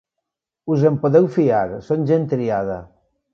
Us en podeu fiar: són gent triada.